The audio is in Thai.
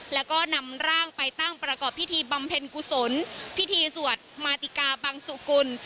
แล้วก็นำร่างไปตั้งประกอบพิธีบำเพ็ญกุศลพิธีสวดมาติกาบังสุกุล